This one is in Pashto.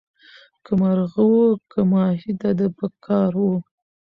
که مرغه وو که ماهی د ده په کار وو